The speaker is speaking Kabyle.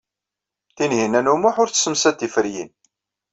Tinhinan u Muḥ ur tessemsad tiferyin.